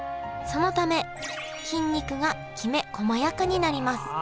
そのため筋肉がきめこまやかになります。